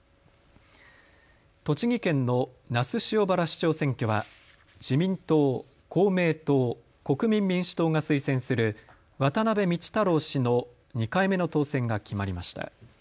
栃木県の那須塩原市長選挙は自民党、公明党、国民民主党が推薦する渡辺美知太郎氏の２回目の当選が決まりました。